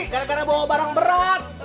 gara gara bawa barang berat